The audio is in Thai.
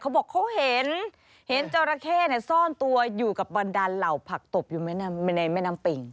เขาบอกเขาเห็นเห็นจราเข้ซ่อนตัวอยู่กับบันดาลเหล่าผักตบอยู่ในแม่น้ำปิ่ง